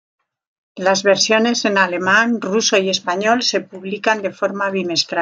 Las versiones en alemán, ruso y español se publican de forma bimestral.